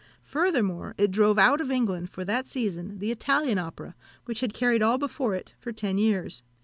Furthermore, it drove out of England, for that season, the Italian Opera, which had carried all before it for ten years."